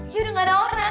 ya udah gak ada orang